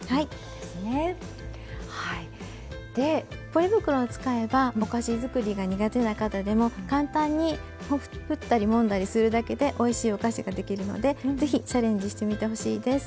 ポリ袋を使えばお菓子づくりが苦手な方でも簡単に振ったりもんだりするだけでおいしいお菓子ができるので是非チャレンジしてみてほしいです。